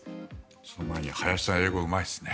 その前に林さん、英語うまいですね。